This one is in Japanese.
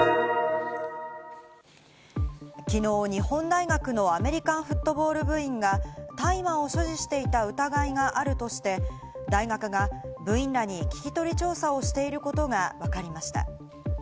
きのう日本大学のアメリカンフットボール部員が大麻を所持していた疑いがあるとして、大学が部員らに聞き取り調査をしていることがわかりました。